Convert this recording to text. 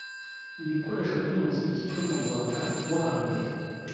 Ibikoresho by’umuziki byo mu Rwanda rwo hambere